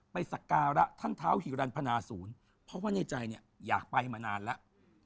สักการะท่านเท้าฮิรันพนาศูนย์เพราะว่าในใจเนี่ยอยากไปมานานแล้ว